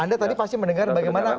anda tadi pasti mendengar bagaimana